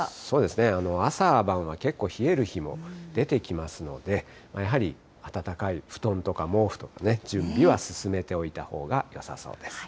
朝晩は結構冷える日も出てきますので、やはり暖かい布団とか毛布とかね、準備は進めておいたほうがよさそうです。